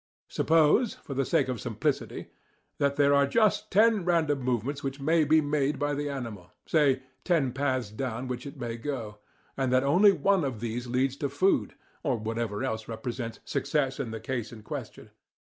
Suppose, for the sake of simplicity, that there are just ten random movements which may be made by the animal say, ten paths down which it may go and that only one of these leads to food, or whatever else represents success in the case in question.